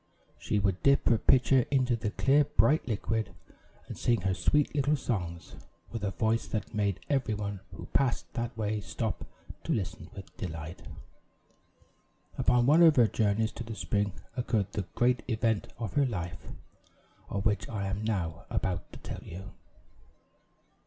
She would dip her pitcher into the clear, bright liquid, and sing her sweet little songs, with a voice that made every one who passed that way stop to listen with delight. Upon one of her journeys to the spring, occurred the great event of her life, of which I am now about to tell you.